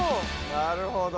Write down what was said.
なるほど。